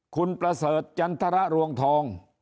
คุณประเสริฐจันทรรวงทอง